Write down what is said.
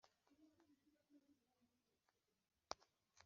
Rwanda Leta cyangwa umuryango